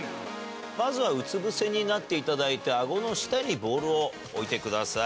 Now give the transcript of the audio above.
まずはうつぶせになっていただいて、あごの下にボールを置いてください。